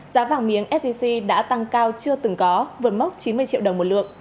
giá vàng miếng sgc đã tăng cao chưa từng có vượt mốc chín mươi triệu đồng một lượng